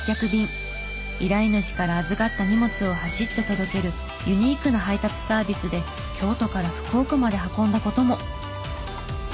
依頼主から預かった荷物を走って届けるユニークな配達サービスで京都から福岡まで運んだ事も。